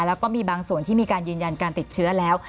แล้วก็มีบางส่วนที่มีการยืนยันการติดเชื้อแล้ว